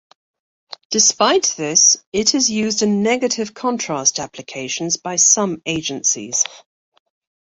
Despite this, it is used in negative-contrast applications by some agencies.